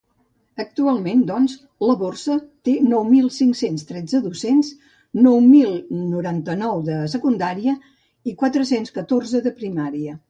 Actualment, doncs, la borsa té nou mil cinc-cents tretze docents, nou mil noranta-nou de secundària i quatre-cents catorze de primària.